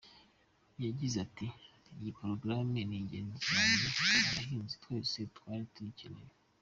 Yagize ati "Iyi porogaramu ni ingenzi cyane, abahinzi twese twari tuyikeneye.